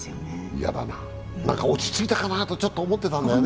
嫌だな、落ち着いたかなとちょっと思ってたんだよね。